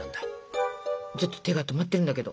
ちょっと手が止まってるんだけど。